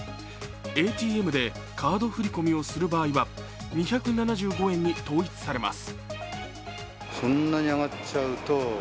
ＡＴＭでカード振り込みをする場合は２７５円に統一されます。